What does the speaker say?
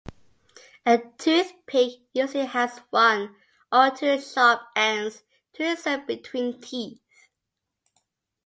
A toothpick usually has one or two sharp ends to insert between teeth.